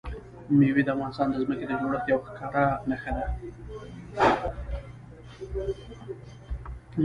مینه کول هم ستر عذاب دي.